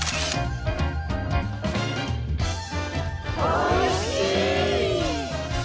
おいしい！